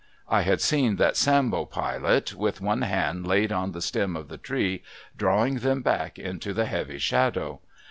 I had seen that Sambo Pilot, with one hand laid on the stem of the tree, drawing them back into the heavy shadow.